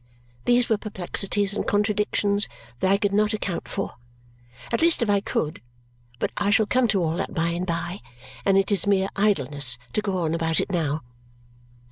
These were perplexities and contradictions that I could not account for. At least, if I could but I shall come to all that by and by, and it is mere idleness to go on about it now.